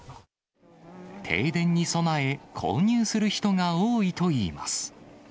停電に備え、購入する人が多いと思います。